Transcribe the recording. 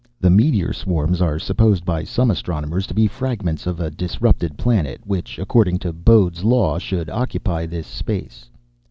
The meteor swarms are supposed by some astronomers to be fragments of a disrupted planet, which, according to Bode's Law, should occupy this space.